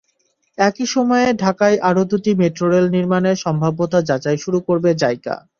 একই সময়ে ঢাকায় আরও দুটি মেট্রোরেল নির্মাণে সম্ভাব্যতা যাচাই শুরু করবে জাইকা।